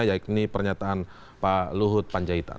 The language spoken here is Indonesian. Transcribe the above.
yakni pernyataan pak luhut panjaitan